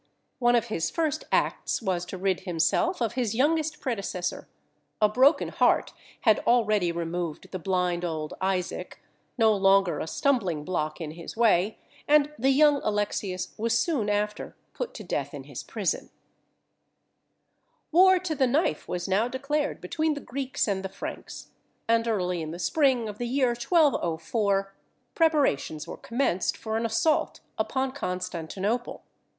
One of his first acts was to rid himself of his youngest predecessor a broken heart had already removed the blind old Isaac, no longer a stumbling block in his way and the young Alexius was soon after put to death in his prison. [Illustration: CONSTANTINOPLE.] War to the knife was now declared between the Greeks and the Franks; and early in the spring of the year 1204, preparations were commenced for an assault upon Constantinople.